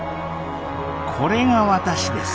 これが私です！